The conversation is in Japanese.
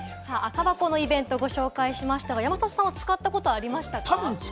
赤箱のイベントをご紹介しましたが、山里さんは使ったことありましたか？